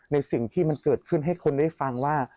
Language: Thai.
ในสิ่งที่มันเกิดขึ้นให้คนได้ฟังว่า